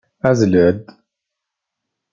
Azzel-d!